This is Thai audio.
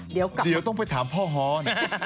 เดี๋ยวต้องไปถามพ่อฮ้อน